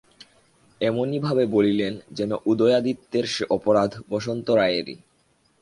এমনিভাবে বলিলেন যেন উদয়াদিত্যের সে অপরাধ বসন্ত রায়েরই।